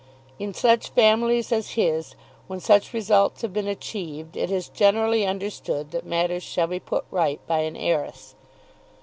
In such families as his, when such results have been achieved, it is generally understood that matters shall be put right by an heiress.